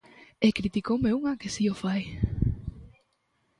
E criticoume unha que si o fai.